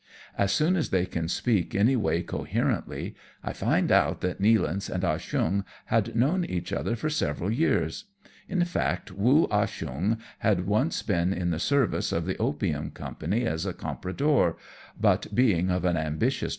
As soon as they can speak any way coherently, I find out that Nealance and Ah Cheong had known each other for several years. In fact. Woo Ah Cheong had once been in the service of the opium company as a compradore, but being of an ambitious SHANGHAI AGAIN.